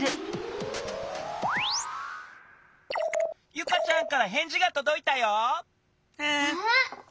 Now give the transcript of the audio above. ユカちゃんからへんじがとどいたよ。わ！